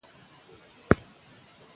ځينې وخت ناسم ترتيب جمله بېمعنا کوي.